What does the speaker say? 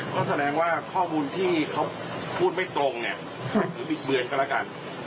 ก็แสดงว่าข้อมูลที่เขาพูดไม่ตรงเนี่ยถือบิดเบือนก็แล้วกัน